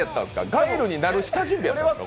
ガイルになる下準備やったんですか？